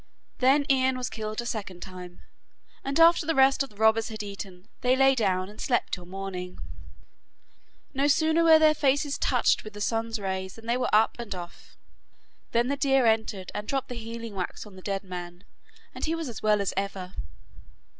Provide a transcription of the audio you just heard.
Then Ian was killed a second time, and after the rest of the robbers had eaten, they lay down and slept till morning. No sooner were their faces touched with the sun's rays than they were up and off. Then the deer entered and dropped the healing wax on the dead man, and he was as well as ever.